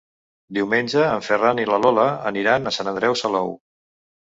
Diumenge en Ferran i na Lola aniran a Sant Andreu Salou.